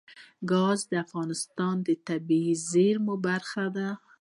ګاز د افغانستان د طبیعي زیرمو برخه ده.